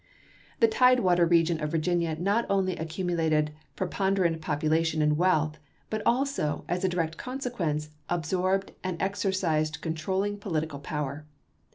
The tidewater region of Virginia not only accu mulated preponderant population and wealth, but also, as a direct consequence, absorbed and exer cised controlling political power.